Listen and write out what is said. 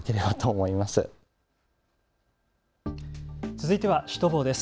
続いてはシュトボーです。